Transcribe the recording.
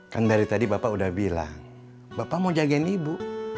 kan dari tadi bapak udah bilang bapak mau jagain ibu